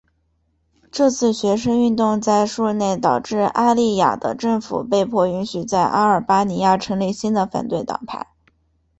这次学生运动在数日内导致阿利雅的政府被迫允许在阿尔巴尼亚成立新的反对党派。